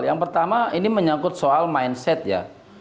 yang pertama ini menyangkut soal mindset ya